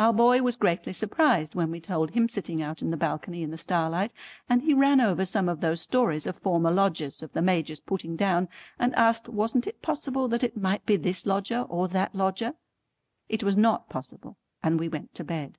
Our boy was greatly surprised when we told him sitting out in the balcony in the starlight, and he ran over some of those stories of former Lodgers, of the Major's putting down, and asked wasn't it possible that it might be this lodger or that lodger. It was not possible, and we went to bed.